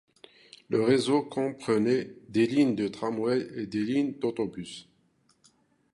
Le réseau comprenait des lignes de tramways et des lignes d'autobus.